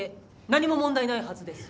何も問題ないはずです。